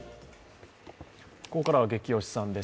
ここからは「ゲキ推しさん」です